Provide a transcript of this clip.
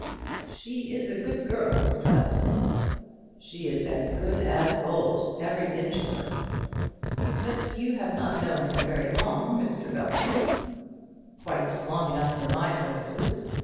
"She is a good girl, Mr. Belton." "She is as good as gold, every inch of her." "But you have not known her very long, Mr. Belton." "Quite long enough for my purposes.